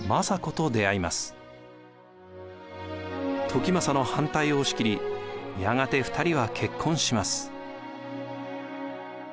時政の反対を押し切りやがて２人は結婚します。